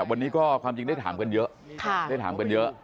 วันนี้ก็ความจริงได้ถามกันเยอะได้ถามกันเยอะ